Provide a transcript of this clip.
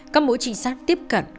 các mũi trị sát tiếp cận